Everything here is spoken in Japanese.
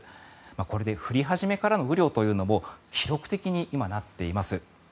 これで降り始めからの雨量というのも記録的に今、なっています。